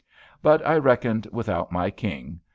But I reckoned without my king.